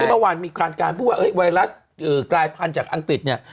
เมื่อวานมีการพูดว่าไวรัสกลายพันธุ์จากอังกฤษเนี่ย